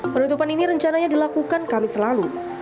penutupan ini rencananya dilakukan kamis lalu